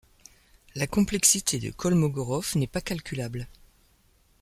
La complexité de Kolmogorov n'est pas calculable.